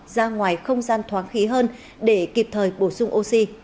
ra ngoài không gian thoáng khí hơn để kịp thời bổ sung oxy